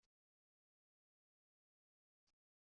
Yuba yexs ad yeẓwa ɣel leflam.